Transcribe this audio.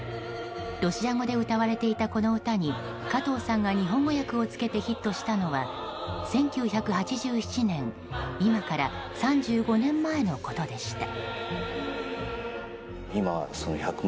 ロシア語で歌われていたこの歌に加藤さんが日本語訳をつけてヒットしたのは１９８７年今から３５年前のことでした。